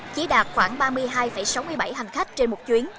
chỉ đạt khoảng ba mươi hai sáu mươi bảy hành khách trên một chuyến